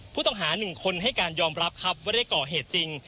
ผู้ต้องหา๑คนให้การยอมรับครับว่าได้ก่อเหตุจริง